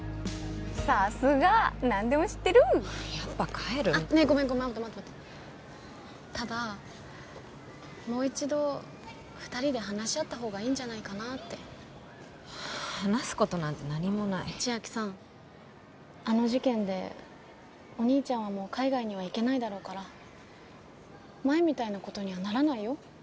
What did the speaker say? さすが何でも知ってるやっぱ帰るねえごめんごめん待って待ってただもう一度２人で話し合った方がいいんじゃないかなって話すことなんて何もない千晶さんあの事件でお兄ちゃんはもう海外には行けないだろうから前みたいなことにはならないよ